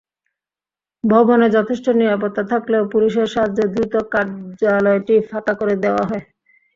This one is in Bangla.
ভবনে যথেষ্ট নিরাপত্তা থাকলেও পুলিশের সাহায্যে দ্রুত কার্যালয়টি ফাঁকা করে দেওয়া হয়।